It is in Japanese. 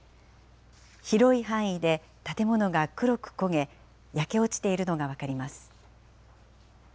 広い範囲で建物が黒く焦げ、焼け落ちているのが分かります。